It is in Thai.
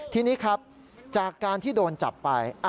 ทีนี้ครับจากการที่โดนจับไป